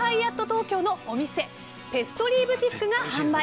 東京のお店ペストリーブティックが販売。